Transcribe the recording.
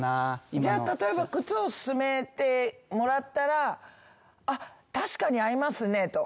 じゃあ例えば靴を勧めてもらったら「あっ確かに合いますね」と。